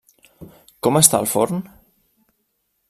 Com està el forn?